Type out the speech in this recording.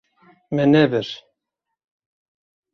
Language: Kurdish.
Me nebir.